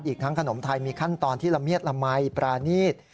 อีกทั้งขนมไทยมีขั้นตอนที่ละเมียดละมัยปรานีต